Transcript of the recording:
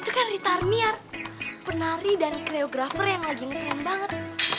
itu kan rita armier penari dan kreografer yang lagi ngetrend banget